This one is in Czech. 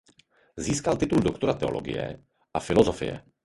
Získal titul doktora teologie a filozofie.